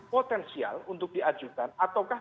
potensial untuk diajukan ataukah